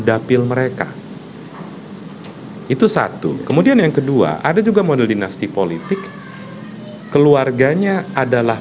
dapil mereka itu satu kemudian yang kedua ada juga model dinasti politik keluarganya adalah